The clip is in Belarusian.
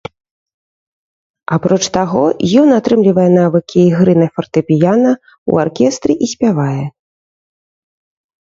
Апроч таго ён атрымлівае навыкі ігры на фартэпіяна, у аркестры і спявае.